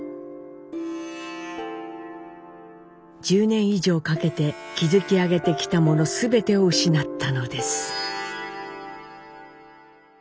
１０年以上かけて築き上げてきたものすべてを失ったのです。